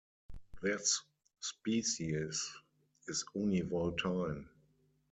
This species is univoltine.